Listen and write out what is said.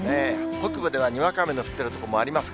北部ではにわか雨の降っている所もあります。